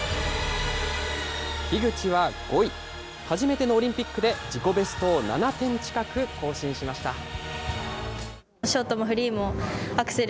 樋口は５位、初めてのオリンピックで、自己ベストを７点近く更新しました。